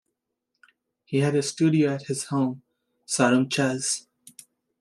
He had a studio at his home, "Sarum Chase".